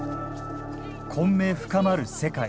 混迷深まる世界。